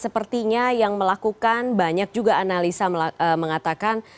sepertinya yang melakukan banyak juga analisa mengatakan